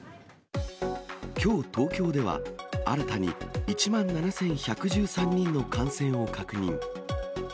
きょう、東京では新たに１万７１１３人の感染を確認。